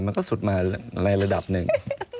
มันก็สุดมาในระดับหนึ่ง